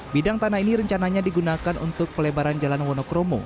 bidang tanah ini rencananya digunakan untuk pelebaran jalan wonokromo